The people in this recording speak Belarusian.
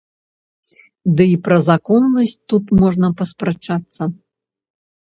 Дый пра законнасць тут можна паспрачацца.